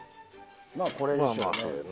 まあこれでしょうね。